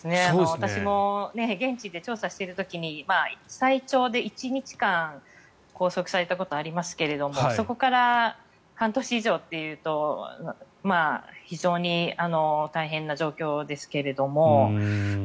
私も現地で調査している時に最長で１日間拘束されたことありますけれどもそこから半年以上っていうと非常に大変な状況ですけれども。